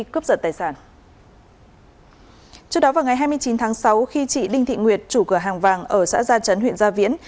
trước đó vào ngày hai mươi chín tháng sáu khi chị đinh thị nguyệt chủ cửa hàng vàng ở xã gia chấn huyện gia viễn